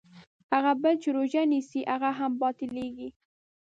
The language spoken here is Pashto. هغه بل چې روژه نیسي هغه هم باطلېږي.